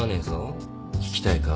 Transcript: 聞きたいか？